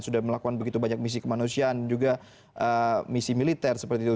sudah melakukan begitu banyak misi kemanusiaan juga misi militer seperti itu